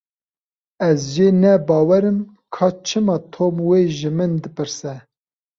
Ez jê nebawerim ka çima Tom wê ji min dipirse.